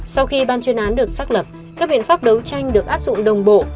sau khi ban chuyên án được xác lập các biện pháp đấu tranh được áp dụng đồng bộ